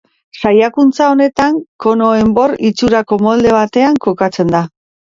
Saiakuntza honetan kono-enbor itxurako molde batean kokatzen da.